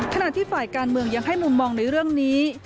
ขณะที่ฝ่ายการเมืองยังให้มุมมองในเรื่องนี้